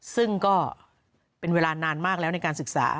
ซึ่งก็เป็นเวลานานมากแล้วในการศึกษา